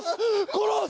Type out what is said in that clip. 殺す！